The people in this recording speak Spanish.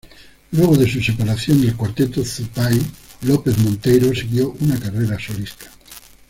Luego de su separación del Cuarteto Zupay, López Monteiro siguió una carrera solista.